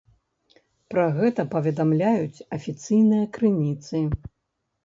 Пра гэта паведамляюць афіцыйныя крыніцы.